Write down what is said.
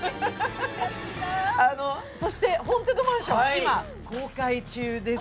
そして「ホーンテッドマンション」、今、公開中です。